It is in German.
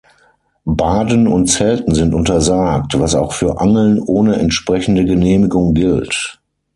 Baden und Zelten sind untersagt, was auch für Angeln ohne entsprechende Genehmigung gilt.